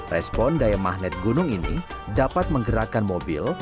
respon daya magnet gunung ini dapat menggerakkan mobil